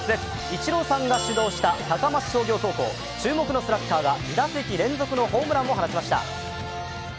イチローさんが指導した高松商業高校、注目のスラッガーが２打席連続のホームランを放ちました。